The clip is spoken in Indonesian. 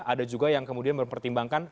ada juga yang kemudian mempertimbangkan